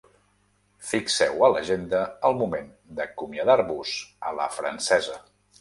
Fixeu a l'agenda el moment d'acomiadar-vos a la francesa.